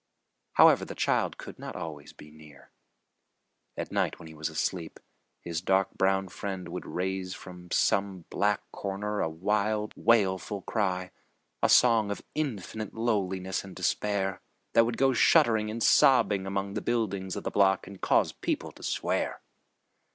However, the child could not always be near. At night, when he was asleep, his dark brown friend would raise from some black corner a wild, wailful cry, a song of infinite loneliness and despair, that would go shuddering and sobbing among the buildings of the block and cause people to swear.